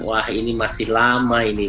wah ini masih lama ini